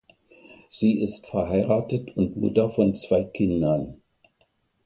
Sie ist verheiratet und Mutter von zwei Kindern.